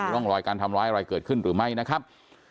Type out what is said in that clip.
ร่องรอยการทำร้ายอะไรเกิดขึ้นหรือไม่นะครับ